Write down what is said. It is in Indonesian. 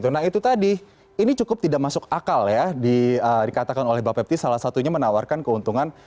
nah itu tadi ini cukup tidak masuk akal ya dikatakan oleh bapepti salah satunya menawarkan keuntungan